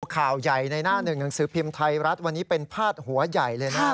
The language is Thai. ข่าวใหญ่ในหน้าหนึ่งหนังสือพิมพ์ไทยรัฐวันนี้เป็นพาดหัวใหญ่เลยนะครับ